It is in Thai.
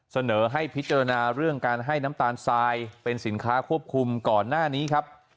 เสนอให้พิจารณาเรื่องการให้น้ำตาลทรายเป็นสินค้าควบคุมก่อนหน้านี้ครับ